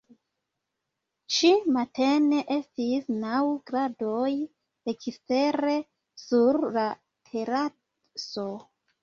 Ĉi-matene estis naŭ gradoj ekstere sur la teraso.